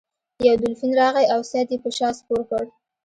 یو دولفین راغی او سید یې په شا سپور کړ.